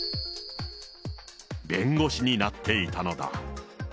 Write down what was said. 弁護士になっていたのだ。